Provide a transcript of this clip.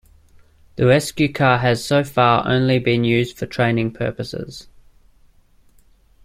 The rescue car has so far only been used for training purposes.